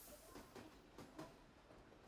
آیا میوه په سړو خونو کې ساتل کیږي؟